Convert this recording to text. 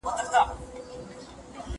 له سپاهيانو يې ساتلم پټولم